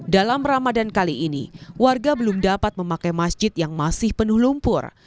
dalam ramadan kali ini warga belum dapat memakai masjid yang masih penuh lumpur